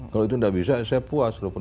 kalau itu nggak bisa saya puas walaupun